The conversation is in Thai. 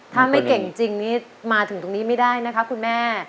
ถ้าไม่เก่งจริงนี่มาถึงตรงนี้ไม่ได้นะคะคุณแม่